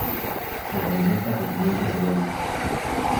Se condimenta con pimienta y cebolla.